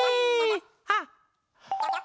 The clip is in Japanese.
あっ！